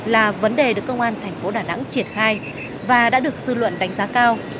là vấn đề được công an thành phố đà nẵng triển khai và đã được dư luận đánh giá cao